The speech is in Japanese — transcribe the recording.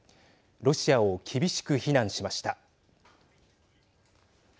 ロシアを厳しく非難しました。